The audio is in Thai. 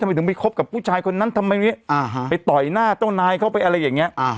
ทำไมถึงไปคบกับผู้ชายคนนั้นทำไมไปต่อยหน้าเจ้านายเข้าไปอะไรอย่างนี้